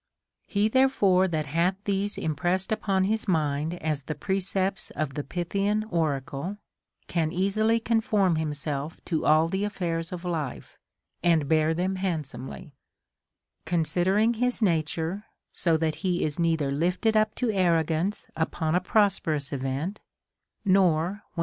29. He therefore that hath these impressed upon his mind as the precepts of the Pythian oracle, can easily conform himself to all the affairs of life, and bear them handsomely ; considering his nature, so that he is neither lifted up to arrogance upon a prosperous event, nor when CONSOLATION TO APOLLONIUS.